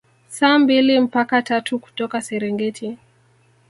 Saa mbili mpaka tatu kutoka Serengeti